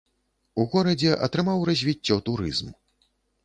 У горадзе атрымаў развіццё турызм.